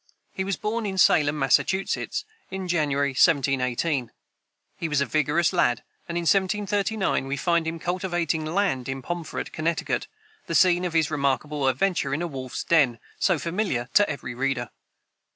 He was born in Salem, Massachusetts, in January, 1718. He was a vigorous lad, and in 1739 we find him cultivating land in Pomfret, Connecticut, the scene of his remarkable adventure in a wolf's den, so familiar to every reader.